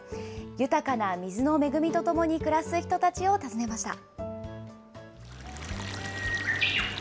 豊かな水の恵みとともに暮らす人たちを訪ねました。